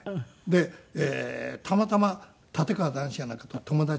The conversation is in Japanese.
でたまたま立川談志やなんかと友達でしたから。